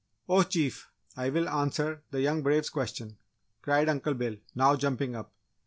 "Oh Chief! I will answer the young Brave's question!" cried Uncle Bill, now jumping up.